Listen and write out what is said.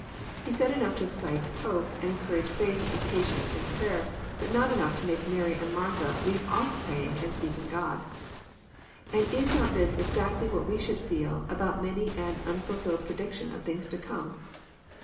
He said enough to excite hope, and encourage faith and patience and prayer, but not enough to make Mary and Martha leave off praying and seeking God. And is not this exactly what we should feel about many an anfal filled prediction of things to come